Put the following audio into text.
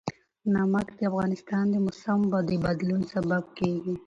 نمک د افغانستان د موسم د بدلون سبب کېږي.